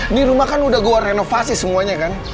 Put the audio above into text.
ini rumah kan udah goa renovasi semuanya kan